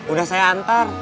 udah saya antar